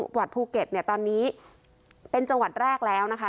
กว่าภูเก็ตตอนนี้เป็นจังหวัดแรกแล้วนะครับ